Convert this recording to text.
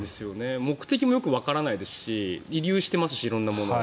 目的もよくわからないですし遺留してますし、色んなものが。